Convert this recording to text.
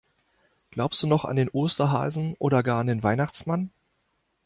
Glaubst du noch an den Osterhasen oder gar an den Weihnachtsmann?